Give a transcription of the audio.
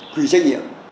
quy trách nhiệm